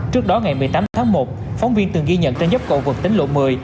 trước đó ngày một mươi tám tháng một phóng viên từng ghi nhận trên dốc cầu vật tính lộ một mươi